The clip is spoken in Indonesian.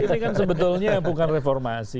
ini kan sebetulnya bukan reformasi